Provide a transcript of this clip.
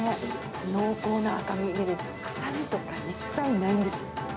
濃厚な赤身で臭みとか一切ないんです。